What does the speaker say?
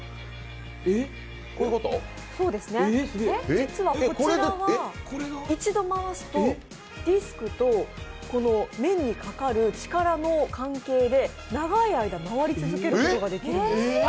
実はこちらは一度回すとディスクと面にかかる力の関係で長い間回り続けることができるんです。